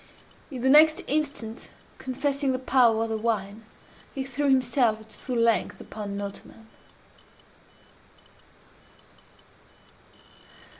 _ In the next instant, confessing the power of the wine, he threw himself at full length upon an ottoman.